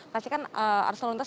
pastikan arusnya lontas